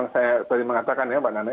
saya tadi mengatakan ya pak nane